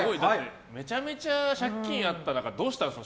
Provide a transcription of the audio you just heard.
めちゃめちゃ借金あった中どうしたんですか？